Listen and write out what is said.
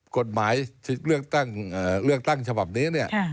กฎหมายเลือกตั้งฉบับนี้เนี่ย